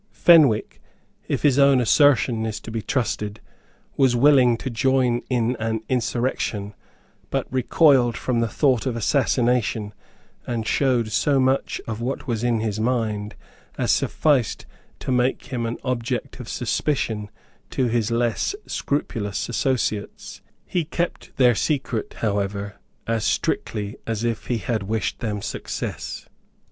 Fenwick, if his own assertion is to be trusted, was willing to join in an insurrection, but recoiled from the thought of assassination, and showed so much of what was in his mind as sufficed to make him an object of suspicion to his less scrupulous associates. He kept their secret, however, as strictly as if he had wished them success.